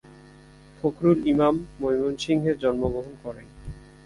ফখরুল ইমাম ময়মনসিংহে জন্মগ্রহণ করেন।